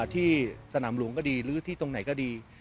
ที่สนามหลวงก็ดีหรือที่ตรงไหนก็ดี